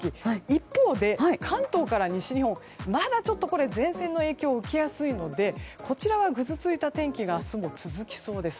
一方で関東から西日本まだ前線の影響を受けやすいのでこちらは、ぐずついた天気が明日も続きそうです。